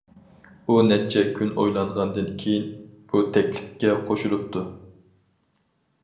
ئۇ نەچچە كۈن ئويلانغاندىن كېيىن، بۇ تەكلىپكە قوشۇلۇپتۇ.